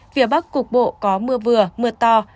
phía bắc cục bộ có mưa vừa mưa to